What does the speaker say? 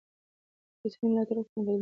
که رسنۍ ملاتړ وکړي بدلون به راشي.